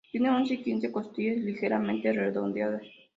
Tiene once y quince costillas ligeramente redondeadas.